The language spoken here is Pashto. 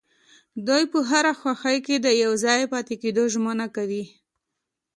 دوی په هرې خوښۍ کې د يوځای پاتې کيدو ژمنه کوي.